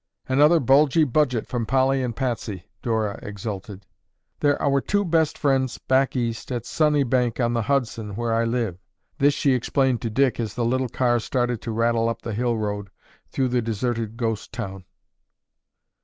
"Another bulgy budget from Polly and Patsy," Dora exulted. "They're our two best friends back East at Sunnybank on the Hudson where I live." This she explained to Dick as the little car started to rattle up the hill road through the deserted ghost town.